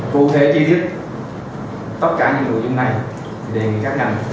cụ thể chi tiết tất cả những nội dung này đề nghị các ngành